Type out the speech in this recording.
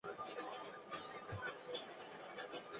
继承人是儿子利意。